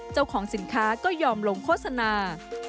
เจ้าของสินค้าก็ยอมลงโฆษณา